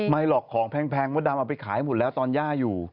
หรอกของแพงมดดำเอาไปขายหมดแล้วตอนย่าอยู่